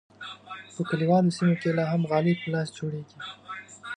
په کلیوالو سیمو کې لا هم غالۍ په لاس جوړیږي.